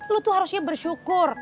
lu tuh harusnya bersyukur